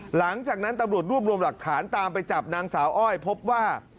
หลังจากนั้นตำรวจรวบรวมหลักฐานตามไปจับนางสาวอ้อยพบว่า